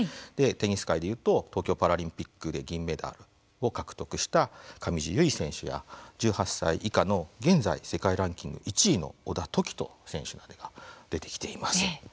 テニス界でいうと東京パラリンピックで銀メダルを獲得した上地結衣選手や１８歳以下の現在、世界ランキング１位の小田凱人選手などが出てきています。